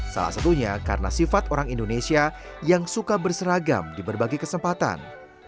salah satunya karena sifat orang indonesia yang suka berseragam di berbagai kesempatan